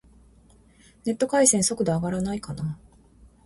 ネット回線、速度上がらないかな